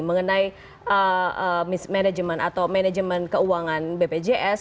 mengenai mismanagement atau manajemen keuangan bpjs